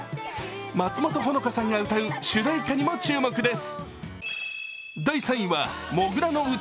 松本穂香さんが歌う主題歌にも注目です。